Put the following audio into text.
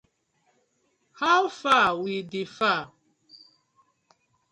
How far wit di far?